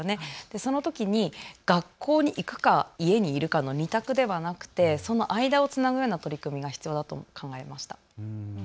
そのときに学校に行くか、家にいるかの２択ではなくてその間をつなぐような取り組みが必要だと考えました。